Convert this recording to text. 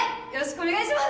お願いします